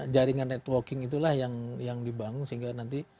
jaringan networking itulah yang dibangun sehingga nanti